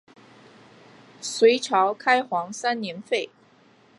隋朝开皇三年废。